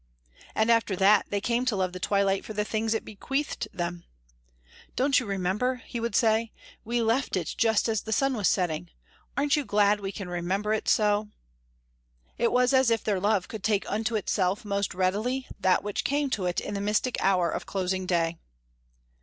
And after that they came to love the twilight for the things it bequeathed them. "Don't you remember," he would say, "we left it just as the sun was setting. Aren't you glad we can remember it so?" It was as if their love could take unto itself most readily that which came to it in the mystic hour of closing day.